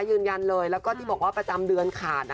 ยืนยันเลยแล้วก็ที่บอกว่าประจำเดือนขาด